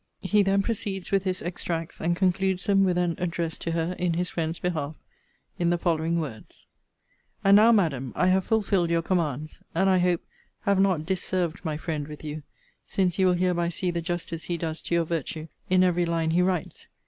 [He then proceeds with his extracts, and concludes them with an address to her in his friend's behalf, in the following words:] 'And now, Madam, I have fulfilled your commands; and, I hope, have not dis served my friend with you; since you will hereby see the justice he does to your virtue in every line he writes.